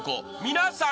［皆さん。